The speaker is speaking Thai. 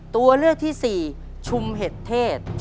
ตัวเลือกที่สี่ชุมเห็ดเทศ